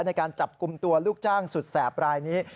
ในการจับกลุ่มตัวลูกจ้างสุดแสบรายนี้